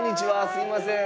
すいません